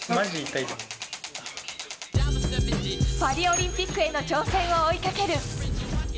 パリオリンピックへの挑戦を追いかける。